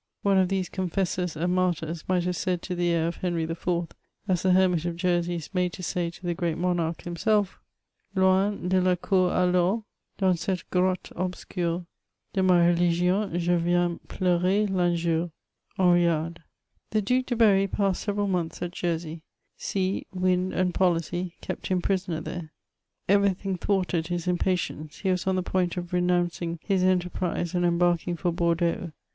One of these confessors and martyrs might have said to the heir of Henry IV., as the hermit of Jersey is made to say to the great monarch himself, "' Loin de la coor alors, dans cette grotte obscure, De ma religion je viens pleurer rinjure.* {Hemriade,) 368 MEMOIRS OF '^ The Duke de Berry passed several months at Jersey ; sea' wind, and policy, kept him prisoner there. Every thing thwarted his impatience; he was on the point of renouncing his enterprise and embarking for Bordeaux.